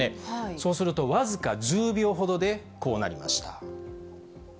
そうすると僅か１０秒ほどでこうなりました。